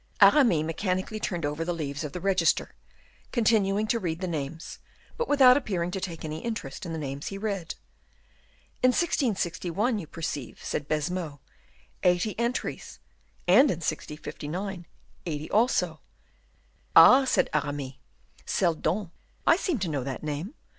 Aramis mechanically turned over the leaves of the register, continuing to read the names, but without appearing to take any interest in the names he read. "In 1661, you perceive," said Baisemeaux, "eighty entries; and in 1659, eighty also." "Ah!" said Aramis. "Seldon; I seem to know that name.